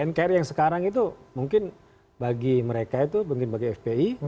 nkri yang sekarang itu mungkin bagi mereka itu mungkin bagi fpi